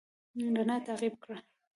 رڼا تعقيب کړه.